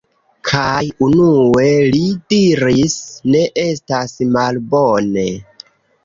Kaj unue li diris: "Ne estas malbone".